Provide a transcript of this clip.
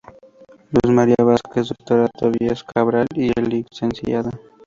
Luz María Vásquez, Dr. Tobías Cabral y el Lic.